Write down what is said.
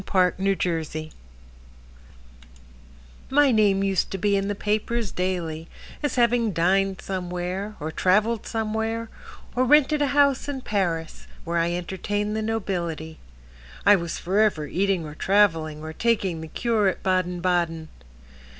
Hortense Robbins My name used to be in the papers daily As having dined somewhere, Or traveled somewhere, Or rented a house in Paris, Where I entertained the nobility. I was forever eating or traveling, Or taking the cure at Baden Baden.